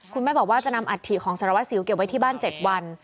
คุณแม่บอกว่าจะนำอัตถีของสารวัตตะศิลปุณย์เก็บไว้ที่บ้าน๗วัน